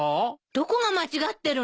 どこが間違ってるの？